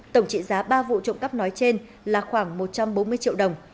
tổng trị giá ba vụ trộm cắp nói trên là khoảng một trăm bốn mươi triệu đồng